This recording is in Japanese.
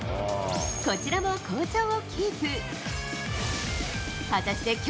こちらも好調をキープ。